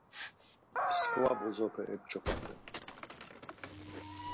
Mskva bozope ep̌ç̌opaten.